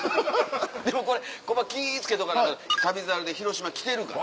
でもコバ気ぃ付けとかないと『旅猿』で広島来てるから。